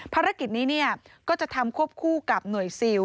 ภารกิจนี้ก็จะทำควบคู่กับหน่วยซิล